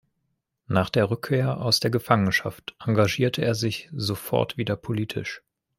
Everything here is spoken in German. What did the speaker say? Nach der Rückkehr aus der Gefangenschaft engagierte er sich sofort wieder politisch.